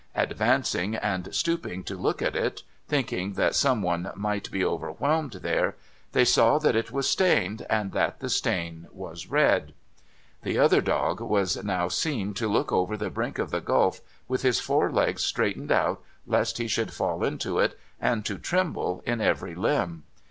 Advancing and stooping to look at it, thinking that some one might be overwhelmed there, they saw that it was stained, and that the stain was red. The other dog was now seen to look over the brink of the gulf, with his fore legs straightened out, lest he should fall into it, and to tremble in every limb.